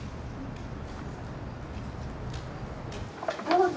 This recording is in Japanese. ・どうぞ。